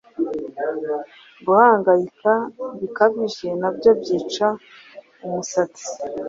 Guhangayika bikabije nabyo byica umusatsi